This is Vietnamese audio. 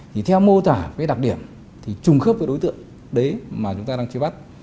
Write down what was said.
thì theo mô tả với đặc điểm thì trùng khớp với đối tượng đấy mà chúng ta đang truy bắt